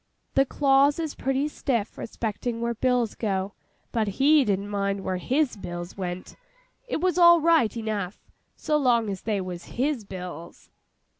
The clause is pretty stiff respecting where bills go; but he didn't mind where his bills went. It was all right enough, so long as they was his bills!